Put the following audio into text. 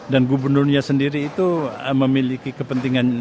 dan gubernurnya sendiri itu memiliki kepentingan